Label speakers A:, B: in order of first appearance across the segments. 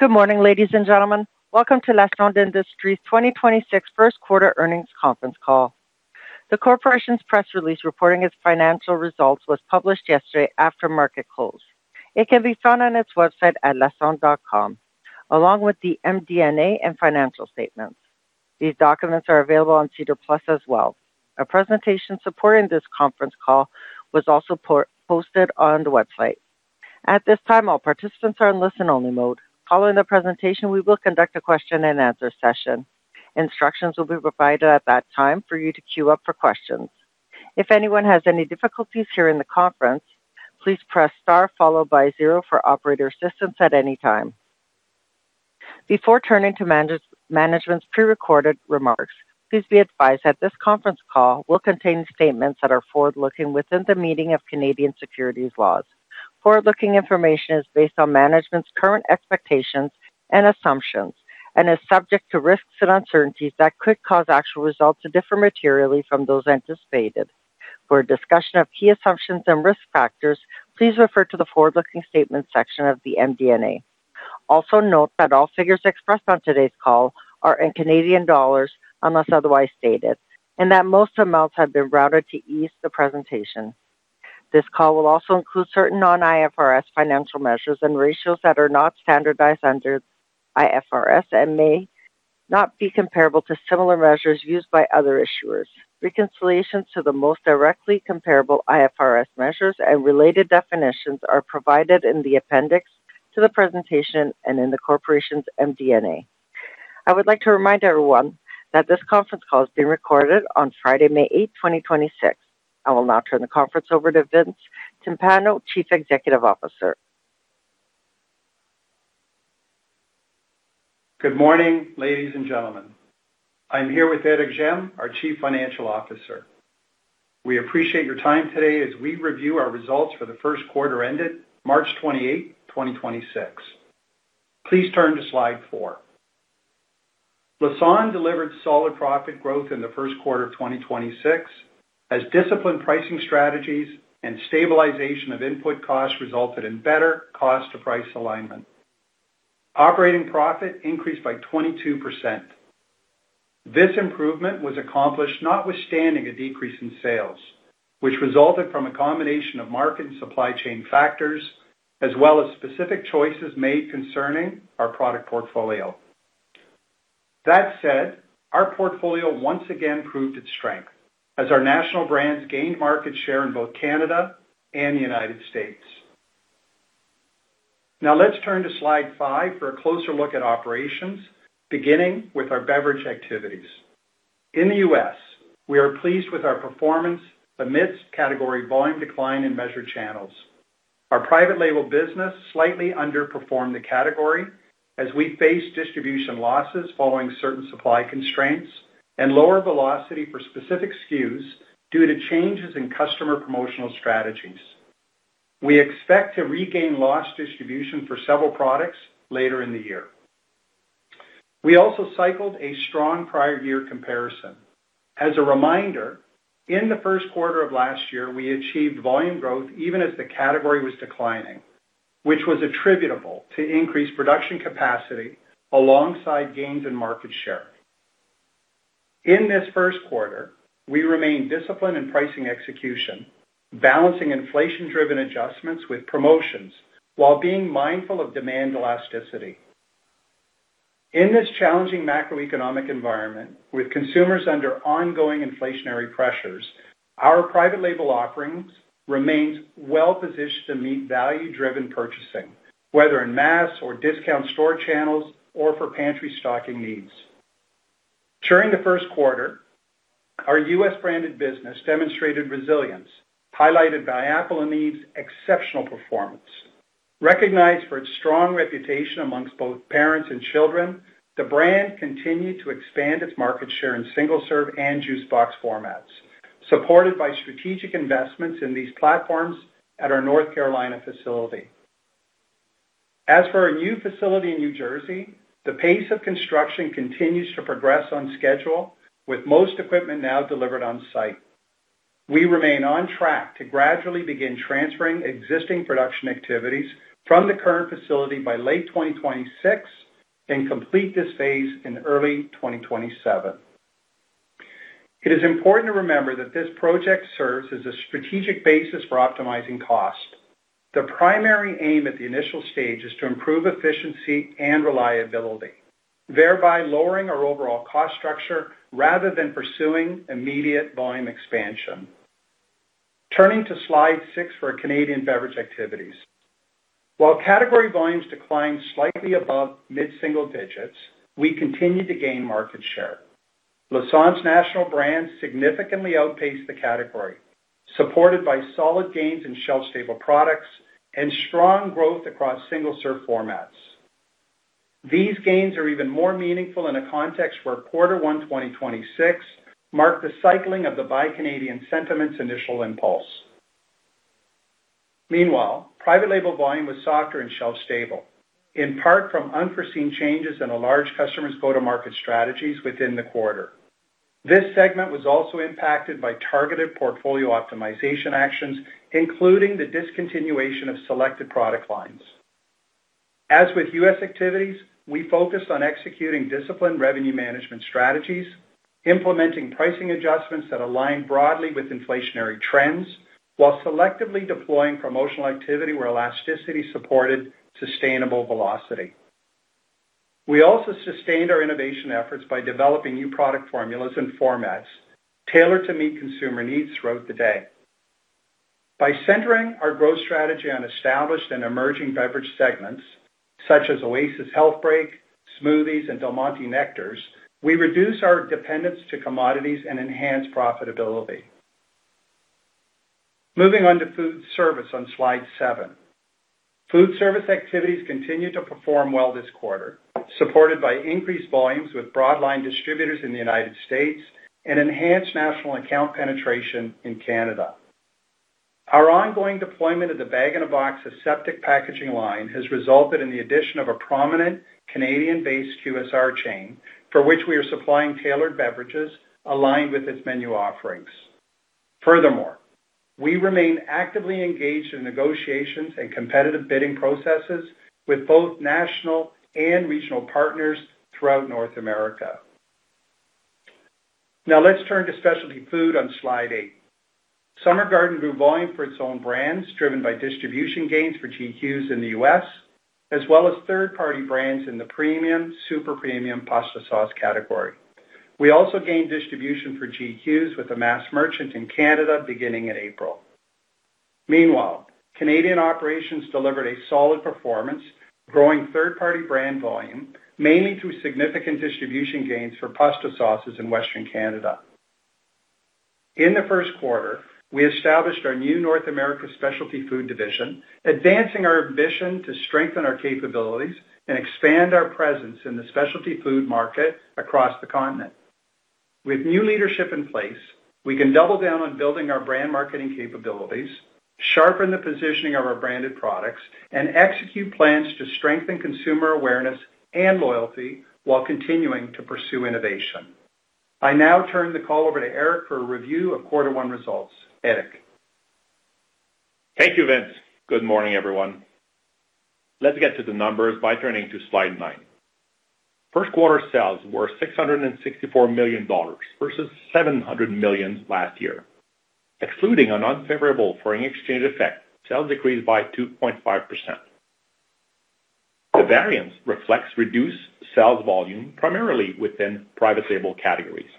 A: Good morning, ladies and gentlemen. Welcome to Lassonde Industries' 2026 first quarter earnings conference call. The corporation's press release reporting its financial results was published yesterday after market close. It can be found on its website at lassonde.com, along with the MD&A and financial statements. These documents are available on SEDAR+ as well. A presentation supporting this conference call was also posted on the website. At this time, all participants are in listen-only mode. Following the presentation, we will conduct a question-and-answer session. Instructions will be provided at that time for you to queue up for questions. If anyone has any difficulties hearing the conference, please press star followed by zero for operator assistance at any time. Before turning to management's pre-recorded remarks, please be advised that this conference call will contain statements that are forward-looking within the meaning of Canadian securities laws. Forward-looking information is based on management's current expectations and assumptions and is subject to risks and uncertainties that could cause actual results to differ materially from those anticipated. For a discussion of key assumptions and risk factors, please refer to the Forward-Looking Statements section of the MD&A. Note that all figures expressed on today's call are in Canadian dollars, unless otherwise stated, and that most amounts have been rounded to ease the presentation. This call will also include certain non-IFRS financial measures and ratios that are not standardized under IFRS and may not be comparable to similar measures used by other issuers. Reconciliations to the most directly comparable IFRS measures and related definitions are provided in the appendix to the presentation and in the corporation's MD&A. I would like to remind everyone that this conference call is being recorded on Friday, May 8, 2026. I will now turn the conference over to Vince Timpano, Chief Executive Officer.
B: Good morning, ladies and gentlemen. I'm here with Éric Gemme, our Chief Financial Officer. We appreciate your time today as we review our results for the first quarter ended March 28, 2026. Please turn to slide four. Lassonde delivered solid profit growth in the first quarter of 2026 as disciplined pricing strategies and stabilization of input costs resulted in better cost to price alignment. Operating profit increased by 22%. This improvement was accomplished notwithstanding a decrease in sales, which resulted from a combination of market and supply chain factors as well as specific choices made concerning our product portfolio. That said, our portfolio once again proved its strength as our national brands gained market share in both Canada and the U.S. Now let's turn to slide five for a closer look at operations, beginning with our beverage activities. In the U.S., we are pleased with our performance amidst category volume decline in measured channels. Our private label business slightly underperformed the category as we faced distribution losses following certain supply constraints and lower velocity for specific SKUs due to changes in customer promotional strategies. We expect to regain lost distribution for several products later in the year. We also cycled a strong prior year comparison. As a reminder, in the first quarter of last year, we achieved volume growth even as the category was declining, which was attributable to increased production capacity alongside gains in market share. In this first quarter, we remained disciplined in pricing execution, balancing inflation-driven adjustments with promotions while being mindful of demand elasticity. In this challenging macroeconomic environment with consumers under ongoing inflationary pressures, our private label offerings remains well-positioned to meet value-driven purchasing, whether in mass or discount store channels or for pantry stocking needs. During the first quarter, our U.S. branded business demonstrated resilience, highlighted by Apple & Eve's exceptional performance. Recognized for its strong reputation amongst both parents and children, the brand continued to expand its market share in single-serve and juice box formats, supported by strategic investments in these platforms at our North Carolina facility. As for our new facility in New Jersey, the pace of construction continues to progress on schedule with most equipment now delivered on site. We remain on track to gradually begin transferring existing production activities from the current facility by late 2026 and complete this phase in early 2027. It is important to remember that this project serves as a strategic basis for optimizing cost. The primary aim at the initial stage is to improve efficiency and reliability, thereby lowering our overall cost structure rather than pursuing immediate volume expansion. Turning to slide six for Canadian beverage activities. While category volumes declined slightly above mid-single digits, we continued to gain market share. Lassonde's national brands significantly outpaced the category, supported by solid gains in shelf-stable products and strong growth across single-serve formats. These gains are even more meaningful in a context where Q1 2026 marked the cycling of the Buy Canadian sentiment's initial impulse. Meanwhile, private label volume was softer and shelf stable, in part from unforeseen changes in a large customer's go-to-market strategies within the quarter. This segment was also impacted by targeted portfolio optimization actions, including the discontinuation of selected product lines. As with U.S. activities, we focused on executing disciplined revenue management strategies, implementing pricing adjustments that align broadly with inflationary trends, while selectively deploying promotional activity where elasticity supported sustainable velocity. We also sustained our innovation efforts by developing new product formulas and formats tailored to meet consumer needs throughout the day. By centering our growth strategy on established and emerging beverage segments such as Oasis Health Break, Smoothies, and Del Monte Nectars, we reduce our dependence to commodities and enhance profitability. Moving on to food service on slide seven. Food service activities continued to perform well this quarter, supported by increased volumes with broad line distributors in the U.S. and enhanced national account penetration in Canada. Our ongoing deployment of the bag-in-box aseptic packaging line has resulted in the addition of a prominent Canadian-based QSR chain, for which we are supplying tailored beverages aligned with its menu offerings. Furthermore, we remain actively engaged in negotiations and competitive bidding processes with both national and regional partners throughout North America. Now let's turn to specialty food on Slide eight. Summer Garden grew volume for its own brands, driven by distribution gains for G Hughes in the U.S., as well as third-party brands in the premium, super premium pasta sauce category. We also gained distribution for G Hughes with a mass merchant in Canada beginning in April. Meanwhile, Canadian operations delivered a solid performance, growing third-party brand volume, mainly through significant distribution gains for pasta sauces in Western Canada. In the first quarter, we established our new North America Specialty Food Division, advancing our ambition to strengthen our capabilities and expand our presence in the specialty food market across the continent. With new leadership in place, we can double down on building our brand marketing capabilities, sharpen the positioning of our branded products, and execute plans to strengthen consumer awareness and loyalty while continuing to pursue innovation. I now turn the call over to Éric for a review of quarter one results. Éric.
C: Thank you, Vince. Good morning, everyone. Let's get to the numbers by turning to slide nine. First quarter sales were 664 million dollars versus 700 million last year. Excluding an unfavorable foreign exchange effect, sales decreased by 2.5%. The variance reflects reduced sales volume primarily within private label categories.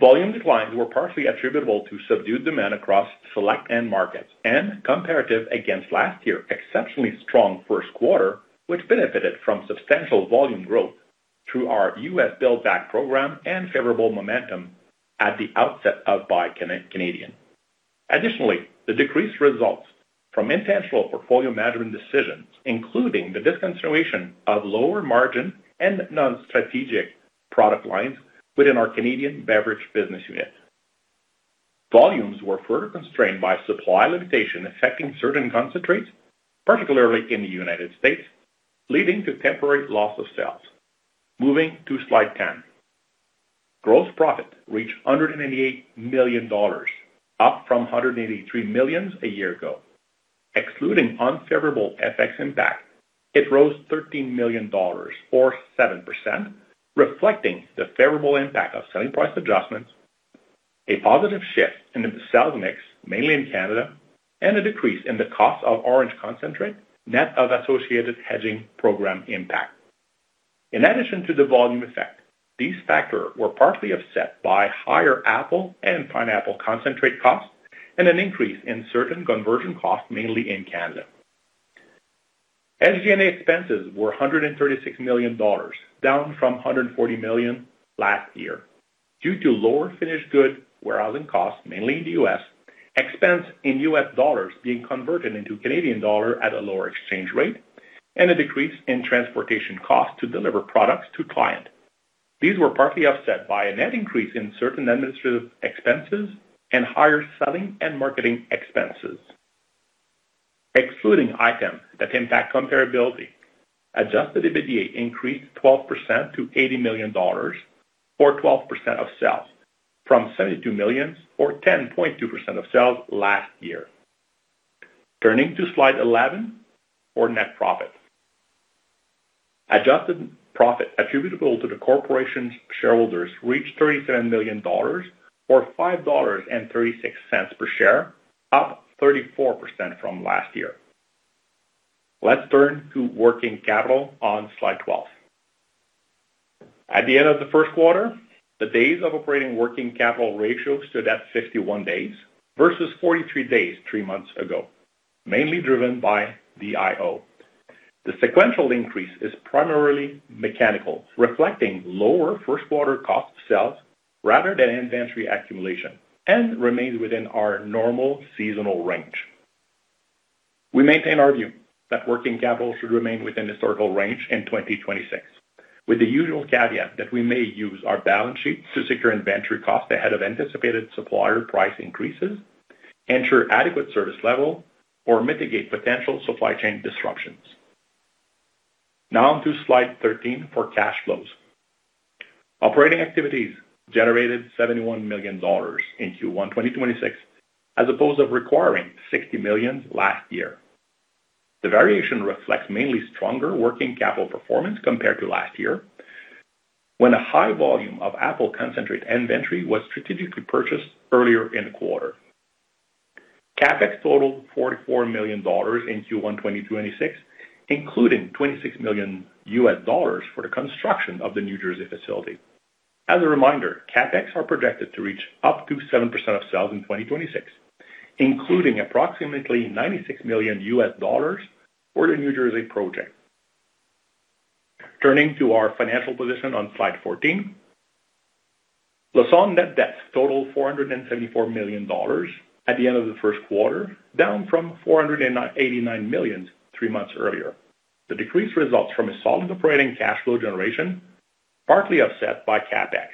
C: Volume declines were partially attributable to subdued demand across select end markets and comparative against last year exceptionally strong first quarter, which benefited from substantial volume growth through our U.S. build back program and favorable momentum at the outset of Buy Canadian. Additionally, the decreased results from intentional portfolio management decisions, including the discontinuation of lower margin and non-strategic product lines within our Canadian beverage business unit. Volumes were further constrained by supply limitation affecting certain concentrates, particularly in the U.S., leading to temporary loss of sales. Moving to slide 10. Gross profit reached 188 million dollars, up from 183 million a year ago. Excluding unfavorable FX impact, it rose 13 million dollars or 7%, reflecting the favorable impact of selling price adjustments, a positive shift in the sales mix, mainly in Canada, and a decrease in the cost of orange concentrate, net of associated hedging program impact. In addition to the volume effect, these factor were partly offset by higher apple and pineapple concentrate costs and an increase in certain conversion costs, mainly in Canada. SG&A expenses were 136 million dollars, down from 140 million last year due to lower finished good warehousing costs, mainly in the U.S., expense in U.S. dollars being converted into Canadian dollar at a lower exchange rate, and a decrease in transportation costs to deliver products to client. These were partly offset by a net increase in certain administrative expenses and higher selling and marketing expenses. Excluding items that impact comparability, adjusted EBITDA increased 12% to 80 million dollars or 12% of sales from 72 million or 10.2% of sales last year. Turning to slide 11 for net profit. Adjusted profit attributable to the corporation's shareholders reached 37 million dollars or 5.36 dollars per share, up 34% from last year. Let's turn to working capital on slide 12. At the end of the first quarter, the days of operating working capital ratio stood at 51 days versus 43 days, three months ago, mainly driven by DIO. The sequential increase is primarily mechanical, reflecting lower first quarter cost of sales rather than inventory accumulation and remains within our normal seasonal range. We maintain our view that working capital should remain within historical range in 2026, with the usual caveat that we may use our balance sheet to secure inventory cost ahead of anticipated supplier price increases, ensure adequate service level, or mitigate potential supply chain disruptions. Now on to slide 13 for cash flows. Operating activities generated 71 million dollars in Q1 2026, as opposed to requiring 60 million last year. The variation reflects mainly stronger working capital performance compared to last year when a high volume of apple concentrate inventory was strategically purchased earlier in the quarter. CapEx totaled 44 million dollars in Q1 2026, including $26 million for the construction of the New Jersey facility. As a reminder, CapEx are projected to reach up to 7% of sales in 2026, including approximately $96 million for the New Jersey project. Turning to our financial position on slide 14. Lassonde net debt totaled 474 million dollars at the end of the first quarter, down from 498 million three months earlier. The decreased results from a solid operating cash flow generation, partly offset by CapEx.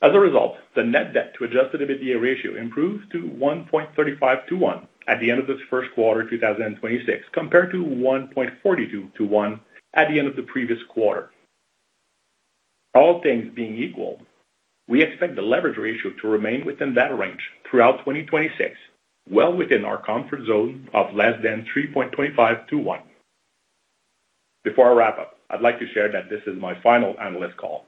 C: As a result, the net debt to adjusted EBITDA ratio improved to 1.35-1 at the end of this first quarter of 2026, compared to 1.42-1 at the end of the previous quarter. All things being equal, we expect the leverage ratio to remain within that range throughout 2026, well within our comfort zone of less than 3.25-1. Before I wrap up, I'd like to share that this is my final analyst call.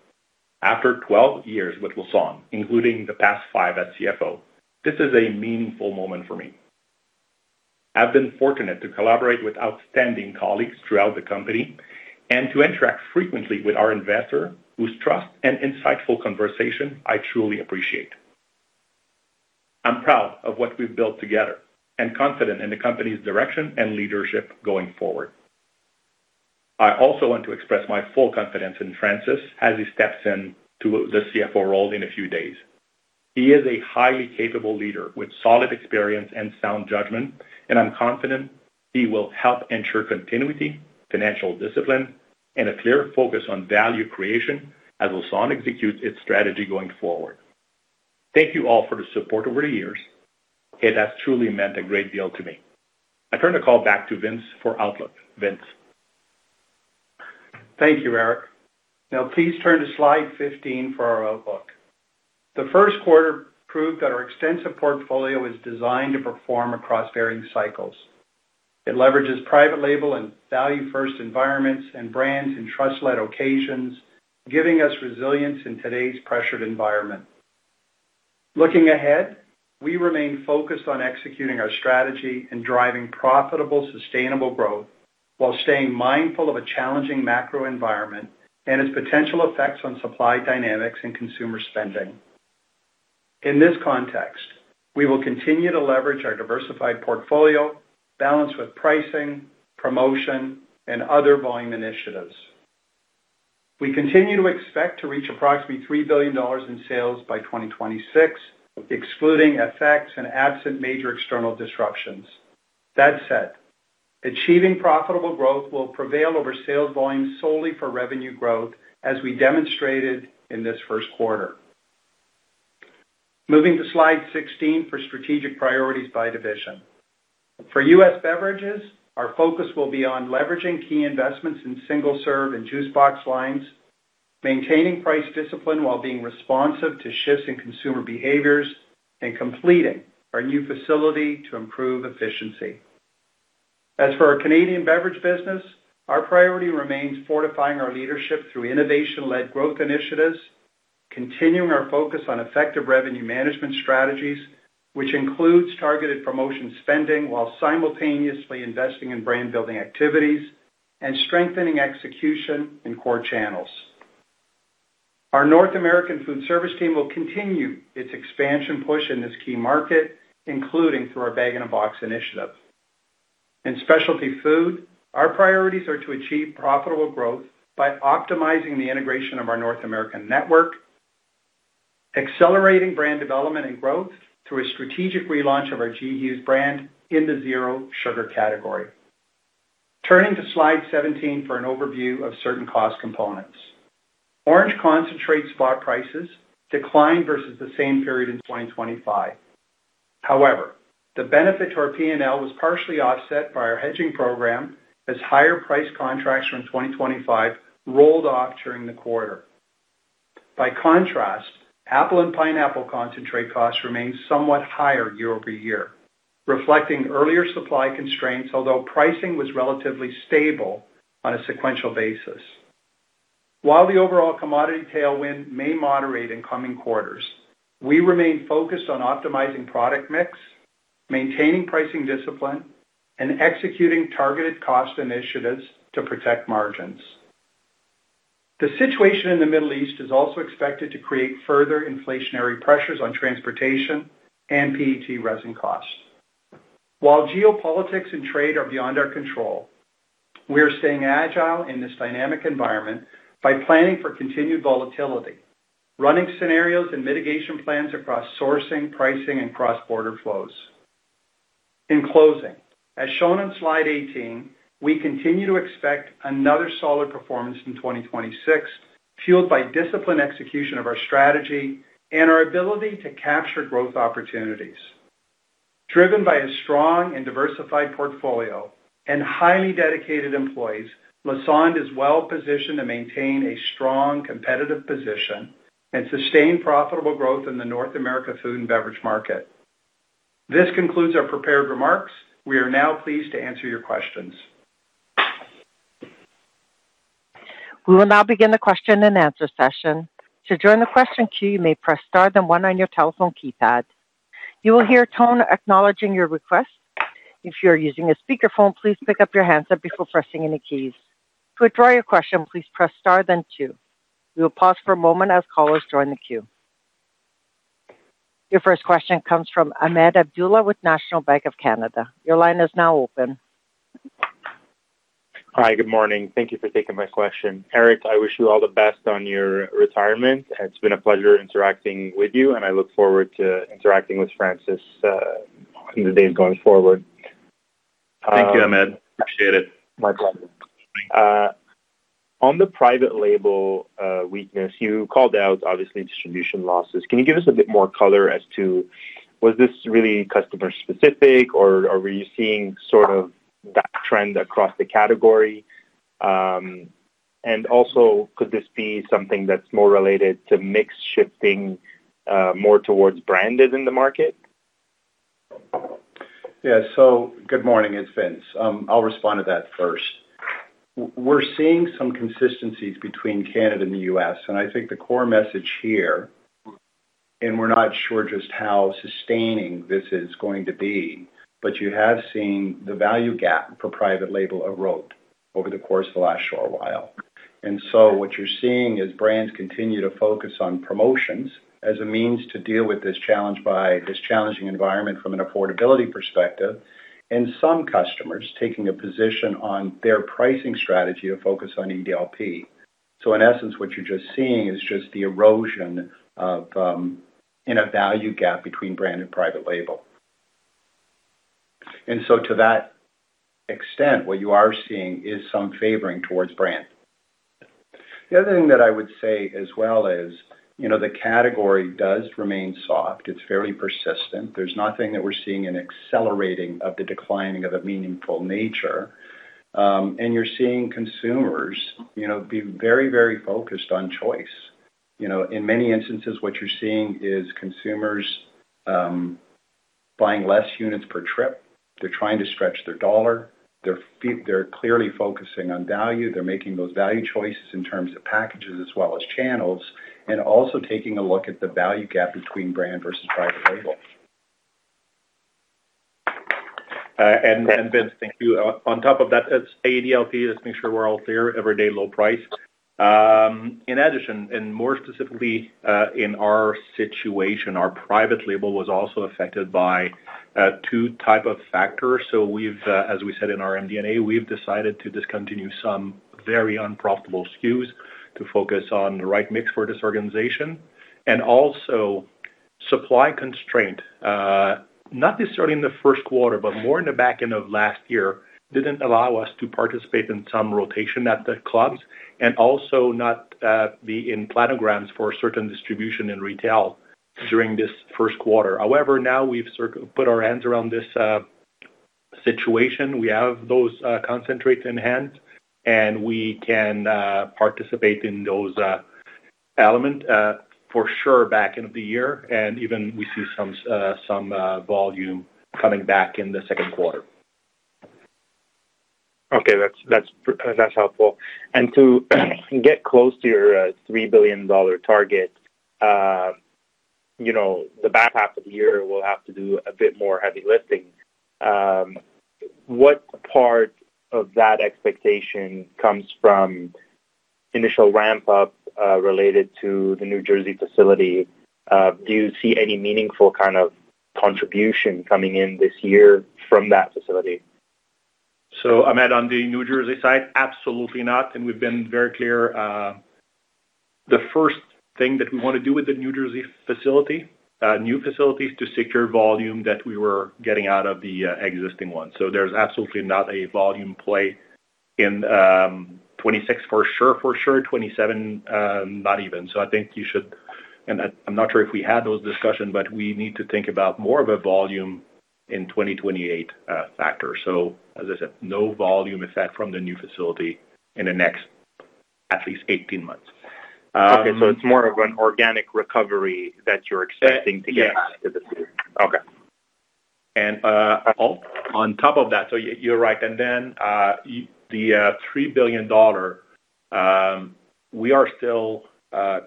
C: After 12 years with Lassonde, including the past five as CFO, this is a meaningful moment for me. I've been fortunate to collaborate with outstanding colleagues throughout the company and to interact frequently with our investor, whose trust and insightful conversation I truly appreciate. I'm proud of what we've built together and confident in the company's direction and leadership going forward. I also want to express my full confidence in Francis as he steps in to the CFO role in a few days. He is a highly capable leader with solid experience and sound judgment, and I'm confident he will help ensure continuity, financial discipline, and a clear focus on value creation as Lassonde executes its strategy going forward. Thank you all for the support over the years. It has truly meant a great deal to me. I turn the call back to Vince for outlook. Vince.
B: Thank you, Éric. Now please turn to slide 15 for our outlook. The first quarter proved that our extensive portfolio is designed to perform across varying cycles. It leverages private label and value-first environments and brands in trust-led occasions, giving us resilience in today's pressured environment. Looking ahead, we remain focused on executing our strategy and driving profitable, sustainable growth while staying mindful of a challenging macro environment and its potential effects on supply dynamics and consumer spending. In this context, we will continue to leverage our diversified portfolio balance with pricing, promotion, and other volume initiatives. We continue to expect to reach approximately 3 billion dollars in sales by 2026, excluding effects and absent major external disruptions. That said, achieving profitable growth will prevail over sales volume solely for revenue growth as we demonstrated in this first quarter. Moving to slide 16 for strategic priorities by division. For U.S. beverages, our focus will be on leveraging key investments in single-serve and juice box lines, maintaining price discipline while being responsive to shifts in consumer behaviors, and completing our new facility to improve efficiency. Our Canadian beverage business, our priority remains fortifying our leadership through innovation-led growth initiatives, continuing our focus on effective revenue management strategies, which includes targeted promotion spending while simultaneously investing in brand-building activities and strengthening execution in core channels. Our North American foodservice team will continue its expansion push in this key market, including through our bag-in-box initiative. In Specialty Food, our priorities are to achieve profitable growth by optimizing the integration of our North American network, accelerating brand development and growth through a strategic relaunch of our G Hughes brand in the zero-sugar category. Turning to slide 17 for an overview of certain cost components. Orange concentrate spot prices declined versus the same period in 2025. However, the benefit to our P&L was partially offset by our hedging program as higher price contracts from 2025 rolled off during the quarter. By contrast, apple and pineapple concentrate costs remained somewhat higher year-over-year, reflecting earlier supply constraints, although pricing was relatively stable on a sequential basis. While the overall commodity tailwind may moderate in coming quarters, we remain focused on optimizing product mix, maintaining pricing discipline, and executing targeted cost initiatives to protect margins. The situation in the Middle East is also expected to create further inflationary pressures on transportation and PET resin costs. While geopolitics and trade are beyond our control, we are staying agile in this dynamic environment by planning for continued volatility, running scenarios and mitigation plans across sourcing, pricing, and cross-border flows. In closing, as shown on slide 18, we continue to expect another solid performance in 2026, fueled by disciplined execution of our strategy and our ability to capture growth opportunities. Driven by a strong and diversified portfolio and highly dedicated employees, Lassonde is well-positioned to maintain a strong competitive position and sustain profitable growth in the North America food and beverage market. This concludes our prepared remarks. We are now pleased to answer your questions.
A: Your first question comes from Ahmed Abdullah with National Bank of Canada. Your line is now open.
D: Hi. Good morning. Thank you for taking my question. Éric, I wish you all the best on your retirement. It's been a pleasure interacting with you, and I look forward to interacting with Francis in the days going forward.
C: Thank you, Ahmed. Appreciate it.
D: My pleasure. On the private label weakness, you called out obviously distribution losses. Can you give us a bit more color as to was this really customer specific or are we seeing sort of that trend across the category? Also, could this be something that's more related to mix shifting, more towards branded in the market?
B: Yeah. Good morning, it's Vince. I'll respond to that first. We're seeing some consistencies between Canada and the U.S. I think the core message here, and we're not sure just how sustaining this is going to be, but you have seen the value gap for private label erode over the course of the last short while. What you're seeing is brands continue to focus on promotions as a means to deal with this challenge by this challenging environment from an affordability perspective, and some customers taking a position on their pricing strategy to focus on EDLP. In essence, what you're just seeing is just the erosion of in a value gap between brand and private label. To that extent, what you are seeing is some favoring towards brand. The other thing that I would say as well is, you know, the category does remain soft. It's fairly persistent. There's nothing that we're seeing an accelerating of the declining of a meaningful nature. You're seeing consumers, you know, be very, very focused on choice. You know, in many instances, what you're seeing is consumers buying less units per trip. They're trying to stretch their dollar. They're clearly focusing on value. They're making those value choices in terms of packages as well as channels, and also taking a look at the value gap between brand versus private label.
C: Vince, thank you. On top of that, it's EDLP, just make sure we're all clear, Every Day Low Price. In addition, more specifically, in our situation, our private label was also affected by two type of factors. We've, as we said in our MD&A, we've decided to discontinue some very unprofitable SKUs to focus on the right mix for this organization. Also supply constraint, not necessarily in the first quarter, but more in the back end of last year, didn't allow us to participate in some rotation at the clubs, and also not be in planograms for certain distribution in retail during this first quarter. However, now we've sort of put our hands around this situation. We have those concentrates in hand, and we can participate in those element for sure back end of the year. Even we see some volume coming back in the second quarter.
D: Okay. That's helpful. To get close to your 3 billion dollar target, you know, the back half of the year will have to do a bit more heavy lifting. What part of that expectation comes from initial ramp up related to the New Jersey facility? Do you see any meaningful kind of contribution coming in this year from that facility?
C: Ahmed, on the New Jersey side, absolutely not. We've been very clear. The first thing that we want to do with the New Jersey facility, new facility, is to secure volume that we were getting out of the existing one. There's absolutely not a volume play in 2026 for sure. 2027, not even. I think you should. I'm not sure if we had those discussions, but we need to think about more of a volume in 2028 factor. As I said, no volume effect from the new facility in the next at least 18 months.
D: Okay. It's more of an organic recovery that you're expecting to get out of the facility.
C: Yes.
D: Okay.
C: On top of that, you're right. The 3 billion dollar, we are still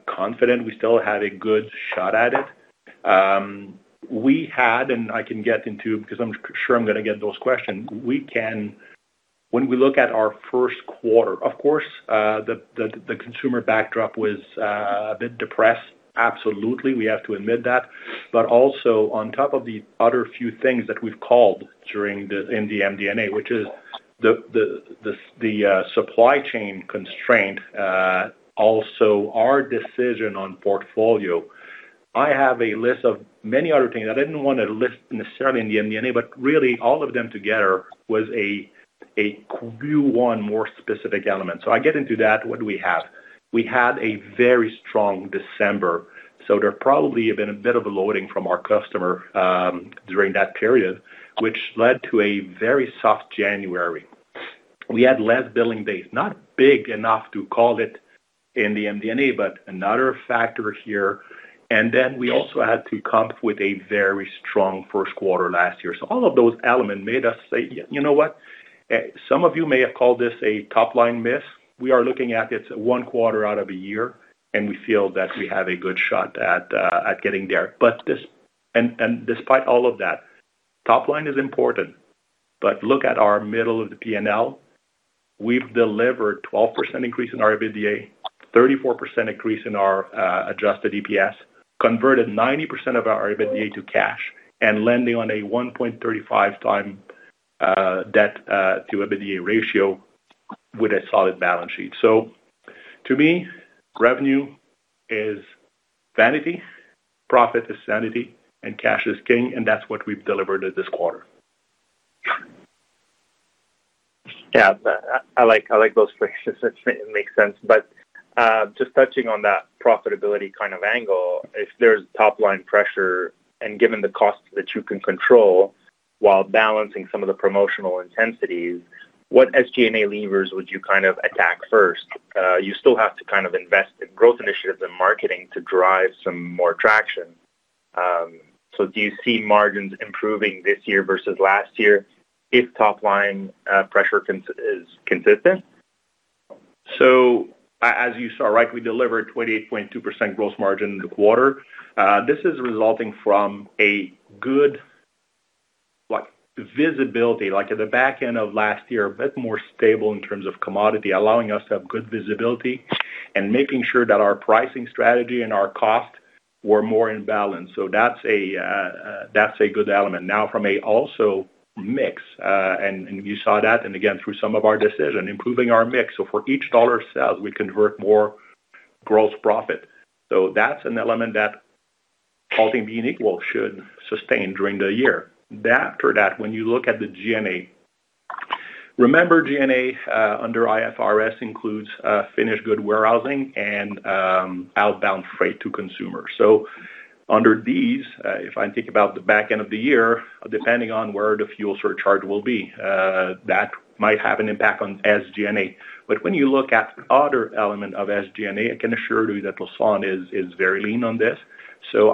C: confident. We still have a good shot at it. We had, and I can get into because I'm sure I'm gonna get those questions. When we look at our first quarter, of course, the consumer backdrop was a bit depressed. Absolutely. We have to admit that. Also on top of the other few things that we've called during in the MD&A, which is the supply chain constraint, also our decision on portfolio. I have a list of many other things I didn't wanna list necessarily in the MD&A, but really all of them together was a Q1 more specific element. I get into that. What do we have? We had a very strong December, so there probably have been a bit of a loading from our customer, during that period, which led to a very soft January. We had less billing days, not big enough to call it in the MD&A, but another factor here. We also had to comp with a very strong first quarter last year. All of those elements made us say, "You know what?" Some of you may have called this a top-line miss. We are looking at it one quarter out of a year, and we feel that we have a good shot at getting there. Despite all of that, top line is important, but look at our middle of the P&L. We've delivered 12% increase in our EBITDA, 34% increase in our adjusted EPS, converted 90% of our EBITDA to cash, and landing on a 1.35x debt to EBITDA ratio with a solid balance sheet. To me, revenue is vanity, profit is sanity, and cash is king, and that's what we've delivered at this quarter.
D: I like those phrases. It makes sense. Just touching on that profitability kind of angle, if there's top line pressure, and given the costs that you can control while balancing some of the promotional intensities, what SG&A levers would you kind of attack first? You still have to kind of invest in growth initiatives and marketing to drive some more traction. Do you see margins improving this year versus last year if top line pressure is consistent?
C: As you saw, right, we delivered 28.2% gross margin in the quarter. This is resulting from a good visibility at the back end of last year, a bit more stable in terms of commodity, allowing us to have good visibility and making sure that our pricing strategy and our cost were more in balance. That's a good element. Now from a also mix, and you saw that, and again, through some of our decision, improving our mix. For each dollar sales, we convert more gross profit. That's an element that, all things being equal, should sustain during the year. After that, when you look at the G&A, remember G&A under IFRS includes finished good warehousing and outbound freight to consumers. Under these, if I think about the back end of the year, depending on where the fuel surcharge will be, that might have an impact on SG&A. When you look at other element of SG&A, I can assure you that Lassonde is very lean on this.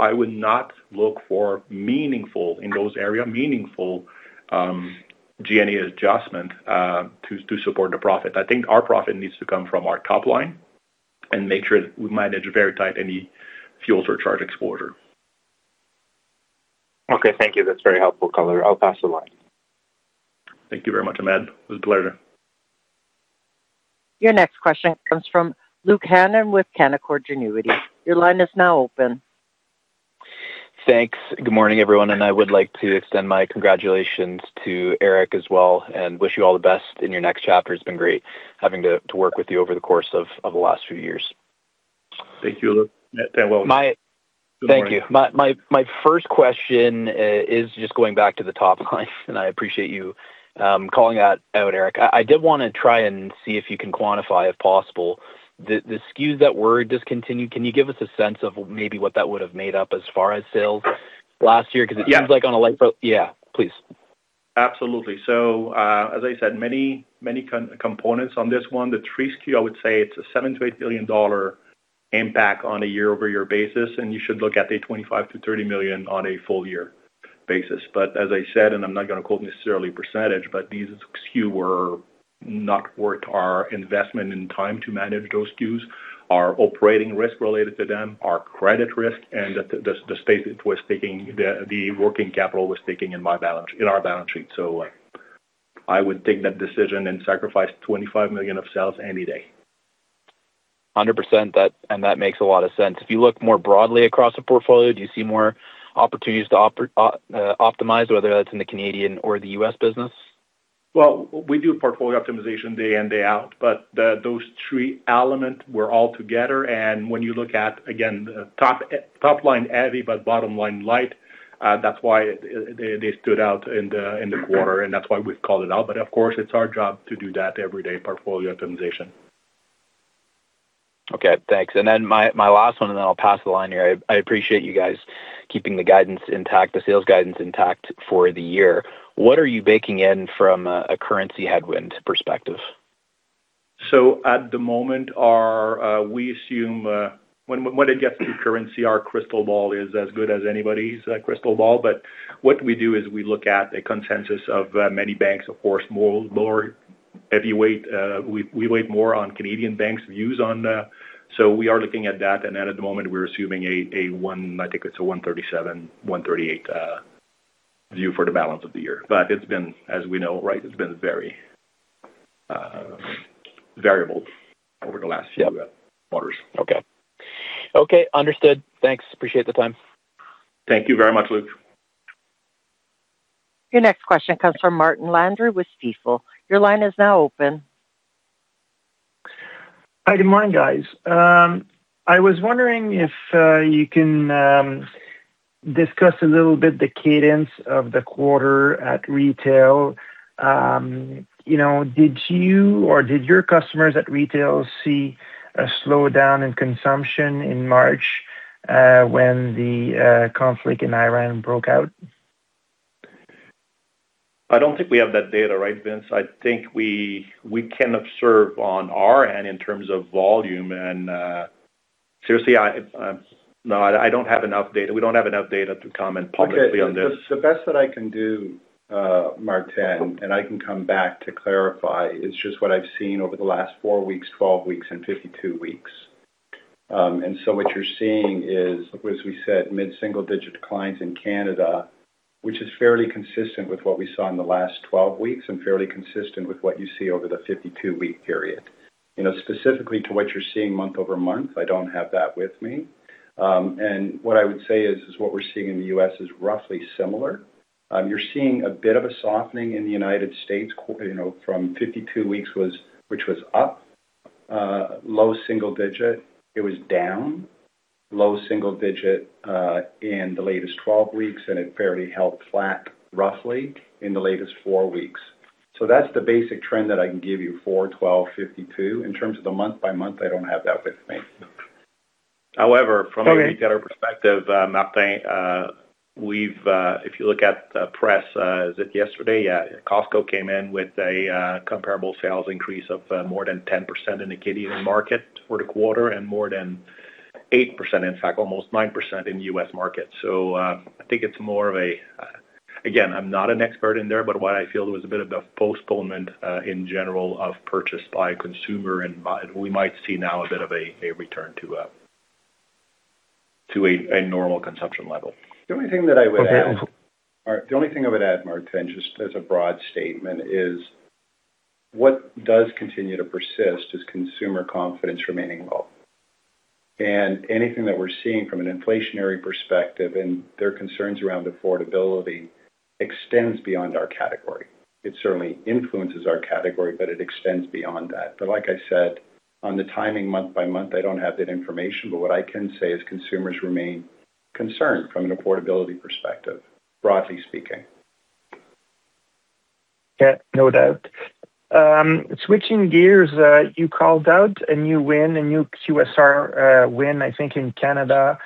C: I would not look for meaningful, in those area, meaningful G&A adjustment to support the profit. I think our profit needs to come from our top line and make sure that we manage very tight any fuel surcharge exposure.
D: Okay. Thank you. That's very helpful color. I'll pass the line.
C: Thank you very much, Ahmed. It was a pleasure.
A: Your next question comes from Luke Hannan with Canaccord Genuity. Your line is now open.
E: Thanks. Good morning, everyone. I would like to extend my congratulations to Éric as well and wish you all the best in your next chapter. It's been great having to work with you over the course of the last few years.
C: Thank you, Luke. Yeah.
E: My-
C: Good morning.
E: Thank you. My first question is just going back to the top line, and I appreciate you calling that out, Éric. I did wanna try and see if you can quantify, if possible, the SKUs that were discontinued, can you give us a sense of maybe what that would have made up as far as sales last year?
C: Yeah.
E: Cause it seems like on a light. Yeah, please.
C: Absolutely. As I said, many, many components on this one. The three SKUs, I would say it's a 7 billion-8 billion dollar impact on a year-over-year basis, and you should look at a 25 million-30 million on a full year basis. As I said, and I'm not going to quote necessarily percent, but these SKUs were not worth our investment and time to manage those SKUs, our operating risk related to them, our credit risk, and the space it was taking, the working capital was taking in our balance sheet. I would take that decision and sacrifice 25 million of sales any day.
E: 100% that. That makes a lot of sense. If you look more broadly across the portfolio, do you see more opportunities to optimize, whether that's in the Canadian or the U.S. business?
C: Well, we do portfolio optimization day in, day out, but those three elements were all together. When you look at, again, the top line heavy but bottom line light, that's why it, they stood out in the quarter, and that's why we've called it out. Of course, it's our job to do that every day portfolio optimization.
E: Okay, thanks. My last one, I'll pass the line here. I appreciate you guys keeping the guidance intact, the sales guidance intact for the year. What are you baking in from a currency headwind perspective?
C: When it gets to currency, our crystal ball is as good as anybody's crystal ball. What we do is we look at a consensus of many banks. Of course, more heavy weight. We weight more on Canadian banks' views on the. We are looking at that. At the moment, we're assuming, I think it's a 1.37, 1.38 view for the balance of the year. It's been, as we know, right, it's been very variable over the last-
E: Yeah.
C: few, quarters.
E: Okay. Okay. Understood. Thanks. Appreciate the time.
C: Thank you very much, Luke.
A: Your next question comes from Martin Landry with Stifel. Your line is now open.
F: Hi, good morning, guys. I was wondering if you can discuss a little bit the cadence of the quarter at retail. You know, did you or did your customers at retail see a slowdown in consumption in March when the conflict in Iran broke out?
C: I don't think we have that data, right, Vince? I think we can observe on our end in terms of volume and seriously, No, I don't have enough data. We don't have enough data to comment publicly on this.
B: Okay. The best that I can do, Martin, and I can come back to clarify, is just what I've seen over the last four weeks, 12 weeks, and 52 weeks. What you're seeing is, as we said, mid-single digit declines in Canada, which is fairly consistent with what we saw in the last 12 weeks and fairly consistent with what you see over the 52-week period. You know, specifically to what you're seeing month-over-month, I don't have that with me. What I would say is what we're seeing in the U.S. is roughly similar. You're seeing a bit of a softening in the United States, you know, from 52 weeks was, which was up, low single digit. It was down low single-digit in the latest 12 weeks, and it fairly held flat roughly in the latest 4 weeks. That's the basic trend that I can give you for 12, 52. In terms of the month-by-month, I don't have that with me.
C: From a retailer perspective, Martin, we've, if you look at press, is it yesterday? Yeah. Costco came in with a comparable sales increase of more than 10% in the Canadian market for the quarter and more than 8%, in fact, almost 9% in U.S. market. I think it's more of a, again, I'm not an expert in there, but what I feel there was a bit of a postponement, in general of purchase by consumer. We might see now a bit of a return to a normal consumption level.
B: The only thing that I would add-
F: Okay.
B: The only thing I would add, Martin, just as a broad statement, is what does continue to persist is consumer confidence remaining low. Anything that we're seeing from an inflationary perspective and their concerns around affordability extends beyond our category. It certainly influences our category, but it extends beyond that. Like I said, on the timing month by month, I don't have that information, but what I can say is consumers remain concerned from an affordability perspective, broadly speaking.
F: Yeah, no doubt. Switching gears, you called out a new win, a new QSR win, I think, in Canada.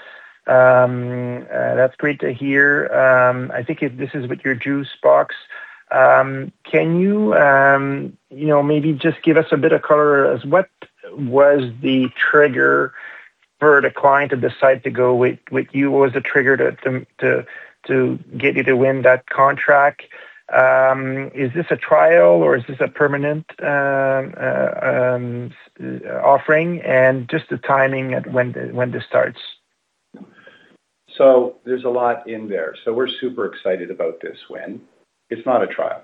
F: That's great to hear. I think this is with your juice box. Can you know, maybe just give us a bit of color as what was the trigger for the client to decide to go with you? What was the trigger to get you to win that contract? Is this a trial or is this a permanent offering? Just the timing at when this starts.
B: There's a lot in there. We're super excited about this win. It's not a trial.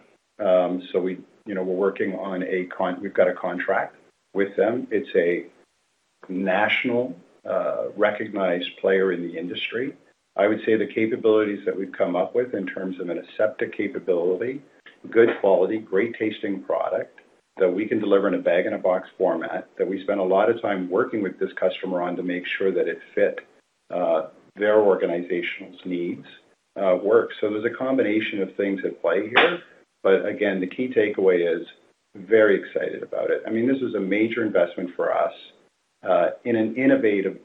B: We, you know, we've got a contract with them. It's a national, recognized player in the industry. I would say the capabilities that we've come up with in terms of an aseptic capability, good quality, great tasting product that we can deliver in a bag-in-box format that we spend a lot of time working with this customer on to make sure that it fit their organizational's needs work. There's a combination of things at play here. Again, the key takeaway is very excited about it. I mean, this is a major investment for us, in an innovative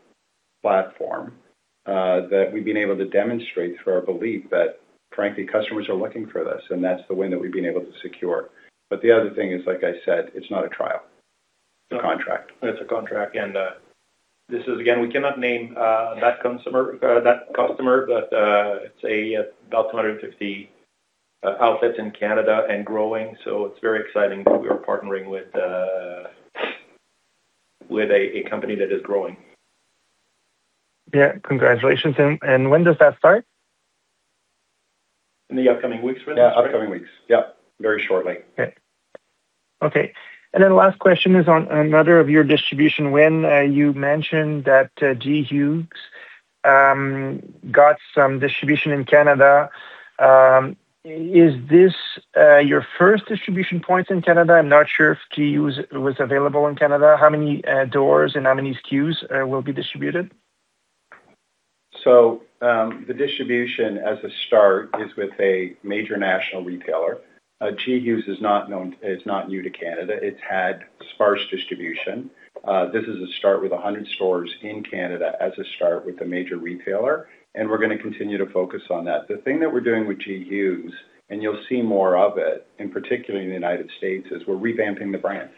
B: platform, that we've been able to demonstrate through our belief that, frankly, customers are looking for this, and that's the win that we've been able to secure. The other thing is, like I said, it's not a trial. It's a contract.
C: It's a contract. This is again, we cannot name that customer, it's about 250 outlets in Canada and growing. It's very exciting that we are partnering with a company that is growing.
F: Yeah. Congratulations. When does that start?
C: In the upcoming weeks.
B: Yeah, upcoming weeks. Yeah. Very shortly.
F: Okay. Okay. Last question is on another of your distribution win. You mentioned that G Hughes got some distribution in Canada. Is this your first distribution point in Canada? I'm not sure if G Hughes was available in Canada. How many doors and how many SKUs will be distributed?
B: The distribution as a start is with a major national retailer. G Hughes is not new to Canada. It's had sparse distribution. This is a start with 100 stores in Canada as a start with a major retailer, and we're gonna continue to focus on that. The thing that we're doing with G Hughes, and you'll see more of it, and particularly in the United States, is we're revamping the brand.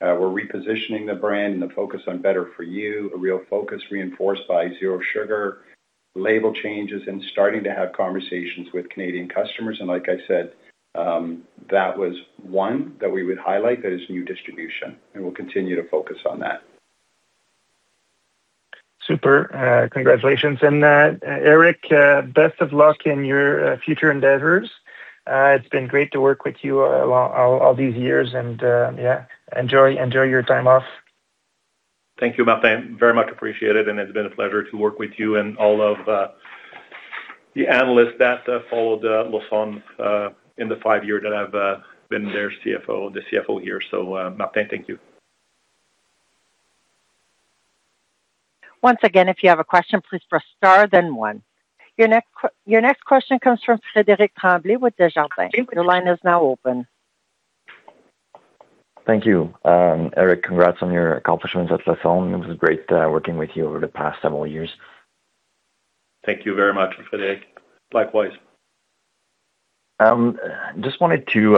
B: We're repositioning the brand and the focus on better for you, a real focus reinforced by zero sugar, label changes, and starting to have conversations with Canadian customers. Like I said, that was one that we would highlight that is new distribution, and we'll continue to focus on that.
F: Super. Congratulations. Éric, best of luck in your future endeavors. It's been great to work with you all these years. Yeah, enjoy your time off.
C: Thank you, Martin. Very much appreciated. It's been a pleasure to work with you and all of the analysts that followed Lassonde in the five years that I've been their CFO, the CFO here. Martin, thank you.
A: Once again, if you have a question, please press star then one. Your next question comes from Frederic Tremblay with Desjardins. Your line is now open.
G: Thank you. Éric, congrats on your accomplishments at Lassonde. It was great working with you over the past several years.
C: Thank you very much, Frederic. Likewise.
G: Just wanted to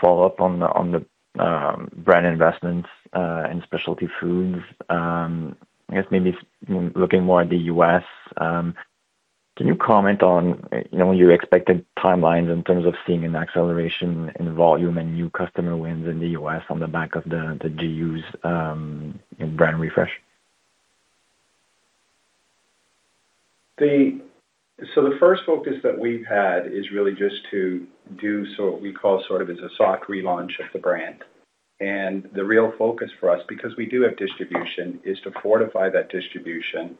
G: follow up on the brand investments in specialty foods. I guess maybe looking more at the U.S. Can you comment on your expected timelines in terms of seeing an acceleration in volume and new customer wins in the U.S. on the back of the G Hughes brand refresh?
B: The first focus that we've had is really just to do so what we call sort of is a soft relaunch of the brand. The real focus for us, because we do have distribution, is to fortify that distribution,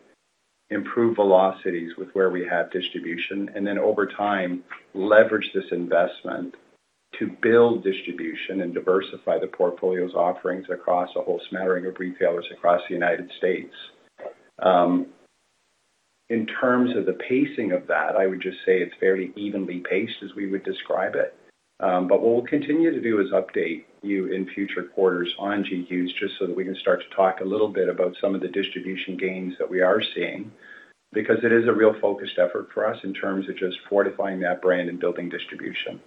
B: improve velocities with where we have distribution, and then over time, leverage this investment to build distribution and diversify the portfolio's offerings across a whole smattering of retailers across the United States. In terms of the pacing of that, I would just say it's fairly evenly paced as we would describe it. What we'll continue to do is update you in future quarters on G Hughes just so that we can start to talk a little bit about some of the distribution gains that we are seeing, because it is a real focused effort for us in terms of just fortifying that brand and building distribution.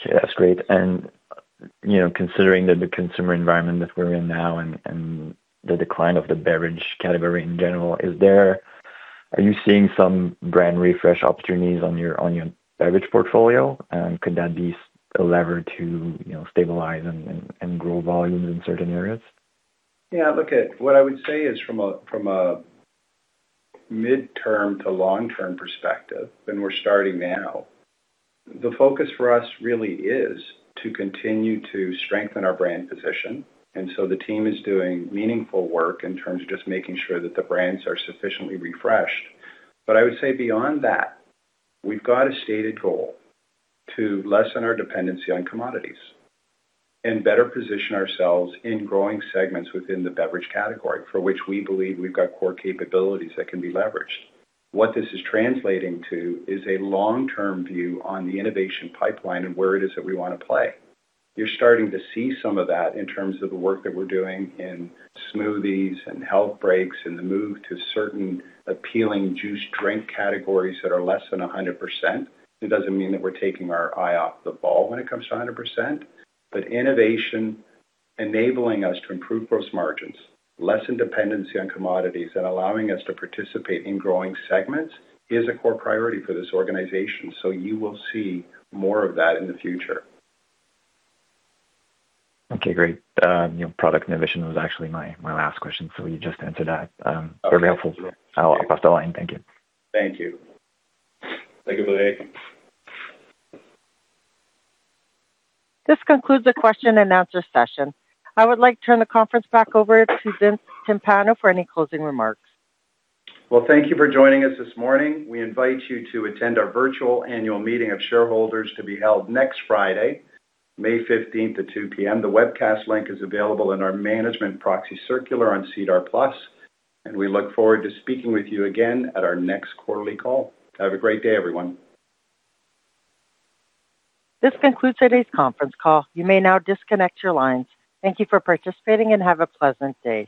G: Okay, that's great. You know, considering the consumer environment that we're in now and the decline of the beverage category in general, are you seeing some brand refresh opportunities on your beverage portfolio? Could that be a lever to, you know, stabilize and grow volumes in certain areas?
B: Yeah, what I would say is from a midterm to long-term perspective, and we're starting now, the focus for us really is to continue to strengthen our brand position. The team is doing meaningful work in terms of just making sure that the brands are sufficiently refreshed. I would say beyond that, we've got a stated goal to lessen our dependency on commodities and better position ourselves in growing segments within the beverage category for which we believe we've got core capabilities that can be leveraged. What this is translating to is a long-term view on the innovation pipeline and where it is that we wanna play. You're starting to see some of that in terms of the work that we're doing in smoothies and health breaks and the move to certain appealing juice drink categories that are less than 100%. It doesn't mean that we're taking our eye off the ball when it comes to 100%. Innovation enabling us to improve gross margins, lessen dependency on commodities, and allowing us to participate in growing segments is a core priority for this organization. You will see more of that in the future.
G: Okay, great. You know, product innovation was actually my last question, so you just answered that. Very helpful. I'll cross the line. Thank you.
B: Thank you. Thank you, Frederic.
A: This concludes the question and answer session. I would like to turn the conference back over to Vince Timpano for any closing remarks.
B: Well, thank you for joining us this morning. We invite you to attend our virtual annual meeting of shareholders to be held next Friday, May 15th at 2:00 P.M. The webcast link is available in our management proxy circular on SEDAR+, and we look forward to speaking with you again at our next quarterly call. Have a great day, everyone.
A: This concludes today's conference call. You may now disconnect your lines. Thank you for participating, and have a pleasant day.